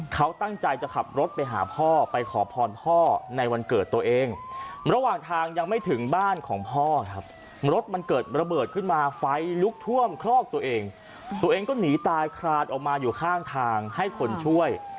ก็ต้องไปหนีตายคราดออกมาอยู่ข้างทางให้คนช่วย